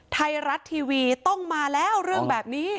ไทยรัฐทีวีต้องมาแล้วเรื่องแบบนี้